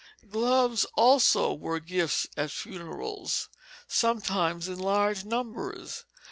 Gloves also were gifts at funerals, sometimes in large numbers.